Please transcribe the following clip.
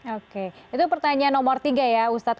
oke itu pertanyaan nomor tiga ya ustadz